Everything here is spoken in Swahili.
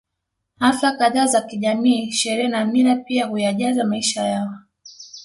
Hafla kadhaa za kijamii sherehe na mila pia huyajaza maisha yao